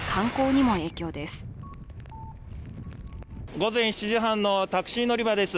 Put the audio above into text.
午前７時半のタクシー乗り場です